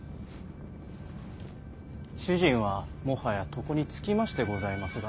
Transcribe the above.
主人はもはや床につきましてございますが。